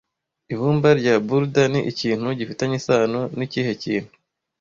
Ibumba rya bulder ni ikintu gifitanye isano nikihe kintu